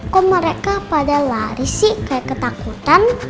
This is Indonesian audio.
kok mereka pada lari sih kayak ketakutan